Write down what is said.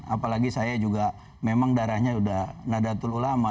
apalagi saya juga memang darahnya sudah nadatul ulama